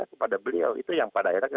kepada beliau itu yang pada akhirnya